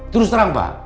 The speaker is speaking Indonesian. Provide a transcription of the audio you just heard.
terus terang pak